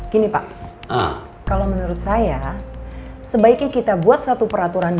gini pak kalau menurut saya sebaiknya kita buat satu peraturan